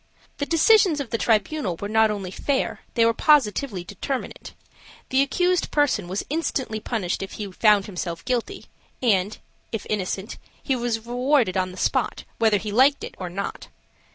The decisions of this tribunal were not only fair, they were positively determinate: the accused person was instantly punished if he found himself guilty, and, if innocent, he was rewarded on the spot, whether he liked it or not.